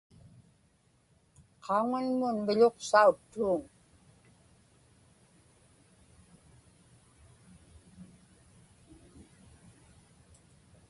qauŋanmun miḷuqsauttuuŋ